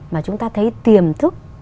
mà chúng ta thấy tiềm thức